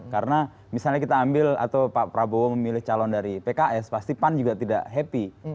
karena misalnya kita ambil atau pak prabowo memilih calon dari pks pasti pan juga tidak happy